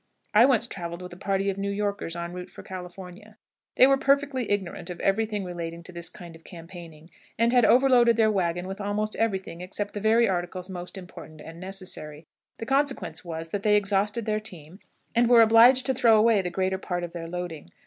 I once traveled with a party of New Yorkers en route for California. They were perfectly ignorant of every thing relating to this kind of campaigning, and had overloaded their wagons with almost every thing except the very articles most important and necessary; the consequence was, that they exhausted their teams, and were obliged to throw away the greater part of their loading.